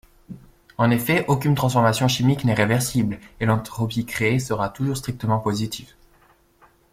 En effet, aucune transformation chimique n'est réversible, et l'entropie créée sera toujours strictement positive.